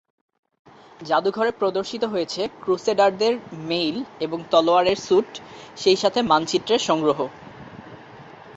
জাদুঘরে প্রদর্শিত হয়েছে ক্রুসেডারদের মেইল এবং তলোয়ারের স্যুট, সেই সাথে মানচিত্রের সংগ্রহ।